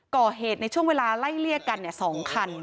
ก่อเหตุในช่วงเวลาไล่เลี่ยกัน๒คัน